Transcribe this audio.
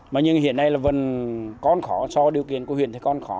mà nhưng hiện nay là vẫn còn khó so với điều kiện của huyện thì còn khó